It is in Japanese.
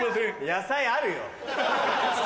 野菜ある。